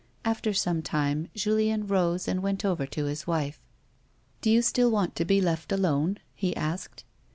After some time Julien rose and went over to his wife. "Do you still want to be left alone 1" he asked.